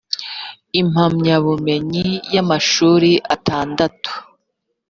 impamyabumenyi y amashuri atandatu